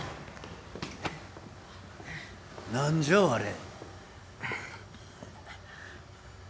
何じゃわれ。